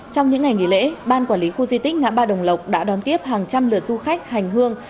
trong những ngày nghỉ lễ ban quản lý khu di tích ngã ba đồng lộc đã đón tiếp hàng trăm lượt du khách hành hương